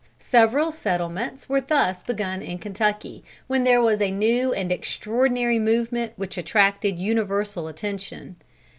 Several settlements were thus begun in Kentucky, when there was a new and extraordinary movement which attracted universal attention.